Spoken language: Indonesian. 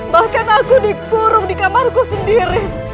bahkan aku dikurung di kamarku sendiri